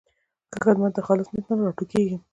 ښه خدمت د خالص نیت نه راټوکېږي.